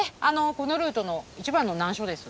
このルートの一番の難所です。